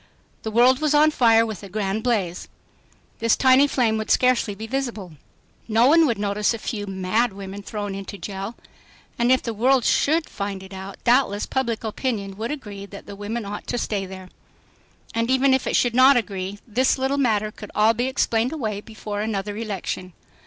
The world was on fire with a grand blaze. This tiny flame would scarcely be visible. No one would notice a few "mad" women thrown into jail. And if the world should find it out, doubtless public opinion would agree that the women ought to stay there. And even if it should not agree, this little matter could all be explained away before another election.